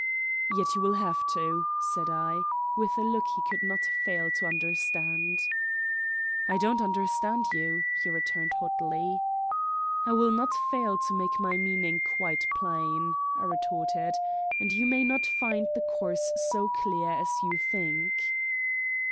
"Yet you will have to," said I, with a look he could not fail to understand. "I don't understand you," he returned hotly. "I will not fail to make my meaning quite plain," I retorted. "And you may not find the course so clear as you think."